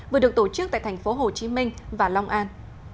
vừa được tổ chức tại thành phố hồ chí minh và long an